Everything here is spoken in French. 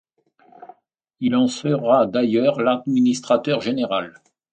Il en sera d'ailleurs l'administrateur général.